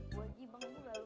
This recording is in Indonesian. gua gibeng dulu